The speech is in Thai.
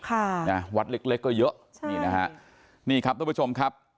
ค่ะนะวัดเล็กเล็กก็เยอะใช่นี่นะฮะนี่ครับทุกผู้ชมครับ